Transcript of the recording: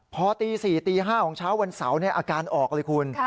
พอตี๔ตี๕ของเช้าวันเสาร์อาการออกเลยคุณ